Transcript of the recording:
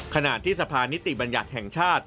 ขณะที่สภานิติบัญญัติแห่งชาติ